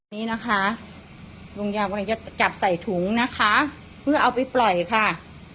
นี่นะคะลุงยาวกำลังจะจับใส่ถุงนะคะเพื่อเอาไปปล่อยค่ะ